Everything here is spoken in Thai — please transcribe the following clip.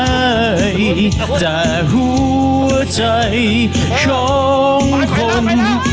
ไหนจะหัวใจช้องคม